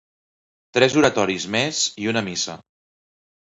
Tres oratoris més i una missa.